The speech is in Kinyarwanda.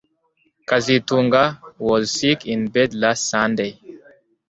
kazitunga was sick in bed last Sunday